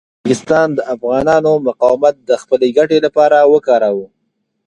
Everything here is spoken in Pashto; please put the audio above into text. پاکستان د افغانانو مقاومت د خپلې ګټې لپاره وکاروه.